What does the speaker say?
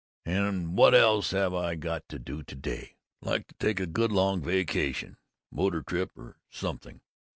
And What else have I got to do to day?... Like to take a good long vacation. Motor trip. Something."